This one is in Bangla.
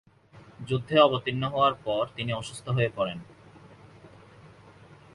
যুদ্ধে অবতীর্ণ হওয়ার পর তিনি অসুস্থ হয়ে পড়েন।